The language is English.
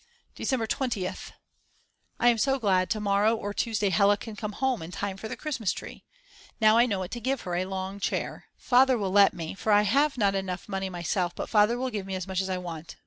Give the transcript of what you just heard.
December 20th. I am so glad, to morrow or Tuesday Hella can come home, in time for the Christmas tree. Now I know what to give her, a long chair, Father will let me, for I have not enough money myself but Father will give me as much as I want.